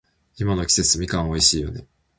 今の季節、みかん美味しいね。